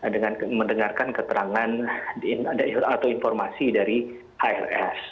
dengan mendengarkan keterangan atau informasi dari hrs